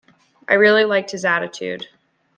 I really liked his attitude.